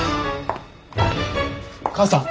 母さん！